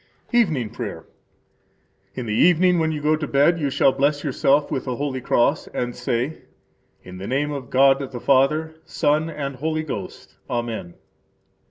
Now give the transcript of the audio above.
Evening Prayer. In the evening, when you go to bed, you shall bless yourself with the holy cross and say: In the name of God the Father, Son, and Holy Ghost. Amen.